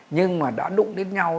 nhưng mà đã đụng đến nhau